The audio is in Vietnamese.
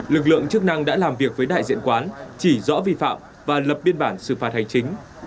lực lượng chức năng đã làm việc với đại diện quán chỉ rõ vi phạm và lập biên bản xử phạt hành chính